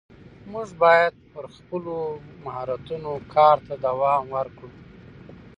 موږ باید پر خپلو مهارتونو کار ته دوام ورکړو